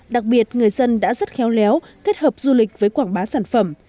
đặc biệt người dân đã rất khéo léo kết hợp du lịch với quảng bá sản phẩm